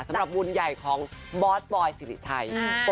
สำหรับบุญใหญ่ของบอสบอยสิริชัย